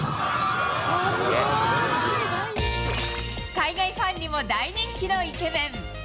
海外ファンにも大人気のイケメン。